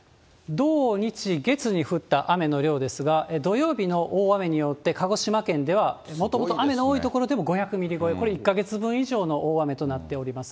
土、日、月に降った雨の量ですが、土曜日の大雨によって、鹿児島県では、もともと雨の多い所でも５００ミリ超え、これ、１か月分以上の大雨となっております。